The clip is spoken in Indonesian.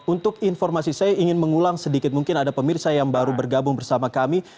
untuk informasi saya ingin mengulang sedikit mungkin ada pemirsa yang baru bergabung bersama kami